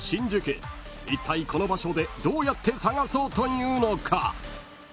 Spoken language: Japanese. ［いったいこの場所でどうやって探そうというのか？］